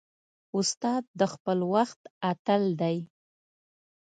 استاد د خپل وخت اتل دی.